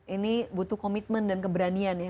ini butuh komitmen dan keberanian ya